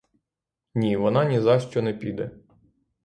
Ні, вона нізащо не піде.